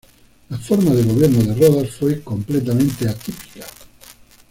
La forma de gobierno de Rodas fue completamente atípica.